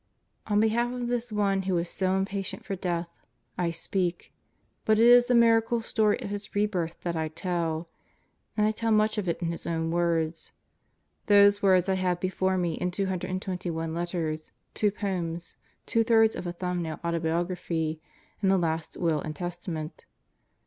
On behalf of this one who was so impatient for death I speak, but it is the miracle story of his rebirth that I tell; and I tell much of it in his own words. Those words I have before me in two hundred and twenty one letters, two poems, two thirds of a thumbnail autobiography, and a last will and testament.